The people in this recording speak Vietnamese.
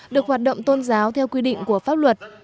được hoạt động tôn giáo theo quy định của pháp luật